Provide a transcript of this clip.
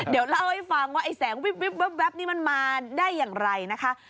เดี๋ยวเล่าให้ฟังว่าไอ้แสงวิบนี่มันมาได้อย่างไรนะคะ